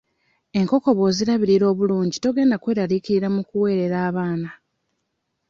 Enkoko bw'ozirabirira obulungi togenda kweralikirira mu kuweerera abaana.